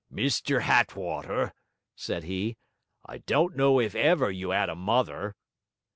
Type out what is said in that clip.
'Mr Hattwater,' said he, 'I don't know if ever you 'ad a mother...'